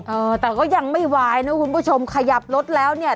เออแต่ก็ยังไม่ไหวนะคุณผู้ชมขยับรถแล้วเนี่ย